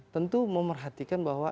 tentu memerhatikan bahwa